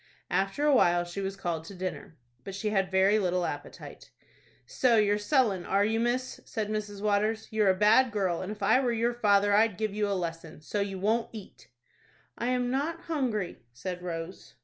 After a while she was called to dinner, but she had very little appetite. "So you're sullen, are you, miss?" said Mrs. Waters. "You're a bad girl, and if I were your father, I'd give you a lesson. So you won't eat!" "I am not hungry," said Rose.